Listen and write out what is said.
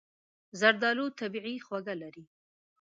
زردالو طبیعي خواږه لري.